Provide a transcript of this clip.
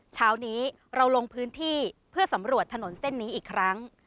เช้านี้เราลงพื้นที่เพื่อสำรวจถนนเส้นนี้อีกครั้ง